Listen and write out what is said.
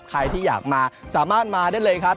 ใครที่อยากมาสามารถมาได้เลยครับ